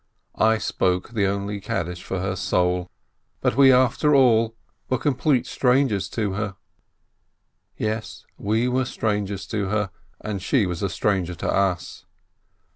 I spoke the only Kaddish for her soul, but we, after all, were complete strangers to her ! Yes, we were strangers to her, and she was a stranger to us